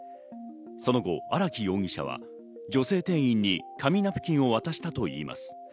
その後、荒木容疑者は女性店員に紙ナプキンを渡したといいます。